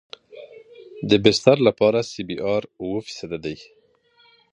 د بستر لپاره سی بي ار اوه فیصده دی